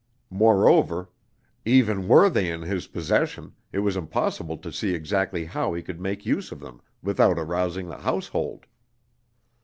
Moreover, even were they in his possession, it was impossible to see exactly how he could make use of them without arousing the household.